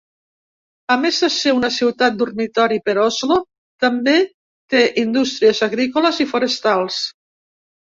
A més de ser una ciutat dormitori per Oslo, també té indústries agrícoles i forestals.